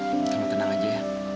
aku mau kenang aja